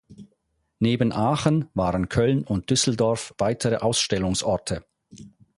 Neben Aachen waren Köln und Düsseldorf weitere Ausstellungsorte.